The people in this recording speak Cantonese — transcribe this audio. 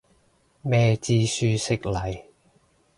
咩知書識禮